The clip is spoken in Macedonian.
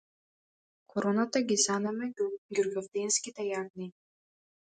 Короната ги занеме ѓурѓовденските јагниња